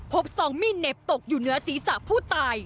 ซองมีดเหน็บตกอยู่เหนือศีรษะผู้ตาย